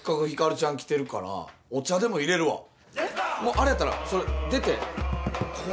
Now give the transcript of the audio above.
あれやったらそれ出てここ！